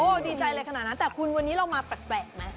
ดีใจอะไรขนาดนั้นแต่คุณวันนี้เรามาแปลกไหม